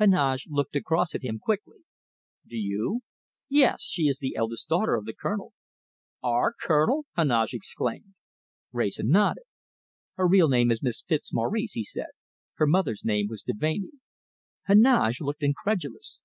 Heneage looked across at him quickly. "Do you?" "Yes! She is the eldest daughter of the Colonel!" "Our Colonel?" Heneage exclaimed. Wrayson nodded. "Her real name is Miss Fitzmaurice," he said. "Her mother's name was Deveney." Heneage looked incredulous.